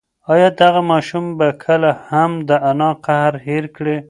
ایا دغه ماشوم به کله هم د انا قهر هېر کړي؟